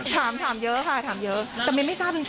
ถามถามเยอะค่ะถามเยอะแต่มินไม่ทราบจริง